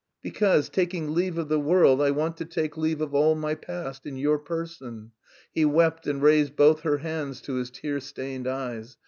"Because, taking leave of the world, I want to take leave of all my past in your person!" He wept and raised both her hands to his tear stained eyes.